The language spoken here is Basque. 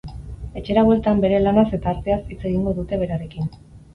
Etxera bueltan, bere lanaz eta arteaz hitz egingo dute berarekin.